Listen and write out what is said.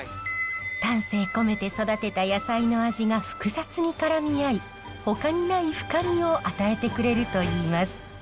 丹精込めて育てた野菜の味が複雑に絡み合いほかにない深みを与えてくれるといいます。